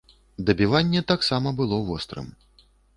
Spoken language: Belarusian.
Дабіванне таксама было вострым.